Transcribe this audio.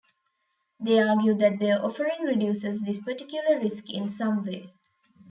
They argue that their offering reduces this particular risk in some way.